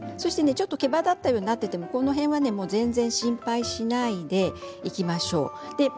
ちょっとけばだったようになっていてもこの辺は全然心配しないでいきましょう。